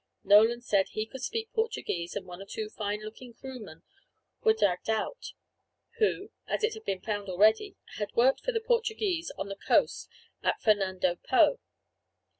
Nolan said he could speak Portuguese, and one or two fine looking Kroomen were dragged out, who, as it had been found already, had worked for the Portuguese on the coast at Fernando Po.